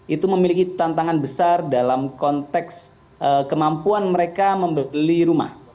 itu memiliki tantangan besar dalam konteks kemampuan mereka membeli rumah